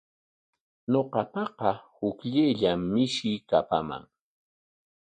Ñuqapaqa hukllayllam mishii kapaman.